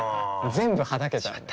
全部はだけちゃうんで。